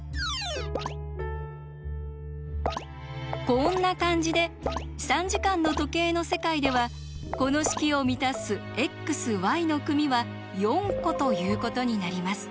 こんな感じで３時間の時計の世界ではこの式を満たすｘｙの組は４個ということになります。